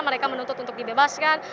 mereka menuntut untuk dibebaskan